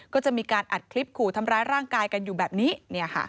ก็จะมีการอัดคลิปขู่ทำร้ายร่างกายกันอยู่แบบนี้